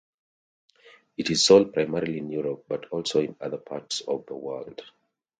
It is sold primarily in Europe, but also in other parts of the world.